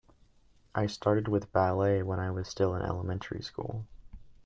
I started with ballet when I was still in elementary school.